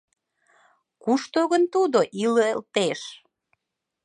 Кушто гын тудо илылтеш?..